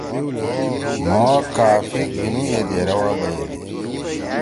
مھو کافی گھینُو یے دیرے وا بیَدی۔